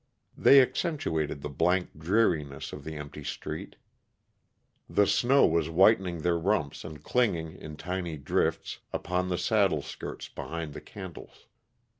They accentuated the blank dreariness of the empty street. The snow was whitening their rumps and clinging, in tiny drifts, upon the saddle skirts behind the cantles.